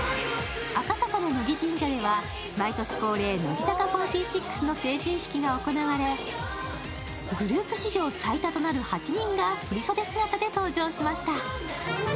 赤坂の乃木神社では毎年恒例、乃木坂４６の成人式が行われ、グループ史上最多となる８人が振り袖姿で登場しました。